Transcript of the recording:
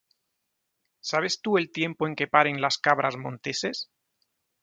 ¿Sabes tú el tiempo en que paren las cabras monteses?